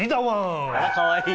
かわいい！